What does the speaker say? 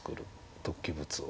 突起物を。